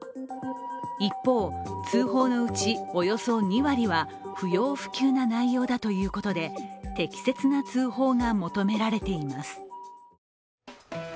一方、通報のうちおよそ２割は不要不急な内容だということで適切な通報が求められています。